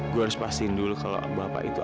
gue harus pastiin dulu kalau bapak itu